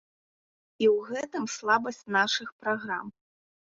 І ў гэтым слабасць нашых праграм.